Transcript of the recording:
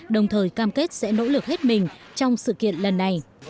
đồng thời cam kết sẽ nỗ lực hết mình trong sự kiện lần này